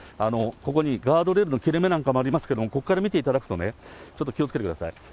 ここにガードレールの切れ目なんかもありますけれども、ここから見ていただくとね、ちょっと気をつけてください。